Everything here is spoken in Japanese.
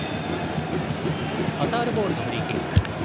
カタールボールのフリーキック。